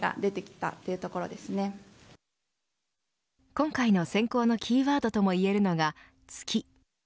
今回の選考のキーワードともいえるのが月。